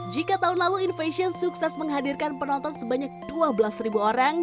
jika tahun lalu invation sukses menghadirkan penonton sebanyak dua belas orang